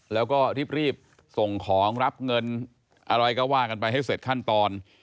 แล้วก็รีบส่งของรับเงินอะไรก็ว่ากันไปให้เสร็จขั้นตอน